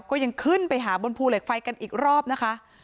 ก็ยังขึ้นไปหาบนภูเหล็กไฟกันอีกรอบนะคะ